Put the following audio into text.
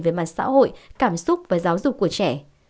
về mặt xã hội cảm xúc và giáo dục của trẻ